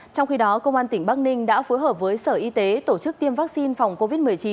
trong khi đó công an tỉnh bắc ninh đã phối hợp với sở y tế tổ chức tiêm vaccine phòng covid một mươi chín